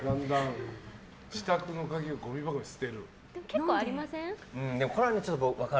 結構ありません？